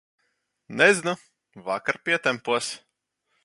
Nezinu, vakar pietempos.